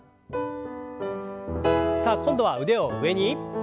さあ今度は腕を上に。